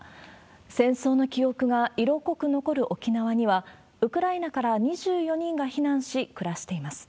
戦争の記憶が色濃く残る沖縄には、ウクライナから２４人が避難し暮らしています。